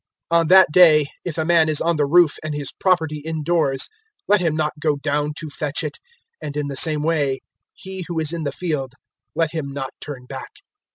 017:031 "On that day, if a man is on the roof and his property indoors, let him not go down to fetch it; and, in the same way, he who is in the field, let him not turn back.